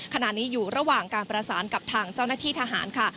ขณะนี้อยู่ระหว่างการประสานกับทางเจ้าหน้าที่ทหารค่ะ